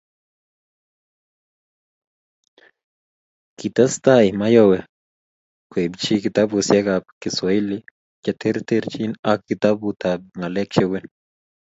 Kitestai mayowe koibchi kitabusiekab kiswahili cheterchin ak kitabutab ngalek che uen